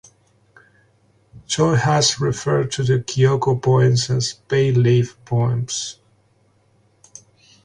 Choi has referred to the Kyoko poems as "bay leaf" poems.